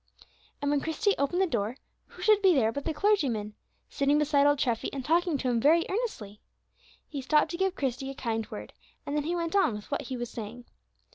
And when Christie opened the door, who should be there but the clergyman, sitting beside old Treffy, and talking to him very earnestly! He stopped to give Christie a kind word, and then he went on with what he was saying.